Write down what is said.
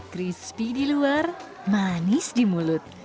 crispy di luar manis di mulut